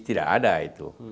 tidak ada itu